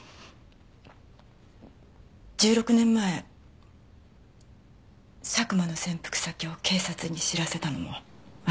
１６年前佐久間の潜伏先を警察に知らせたのも私です。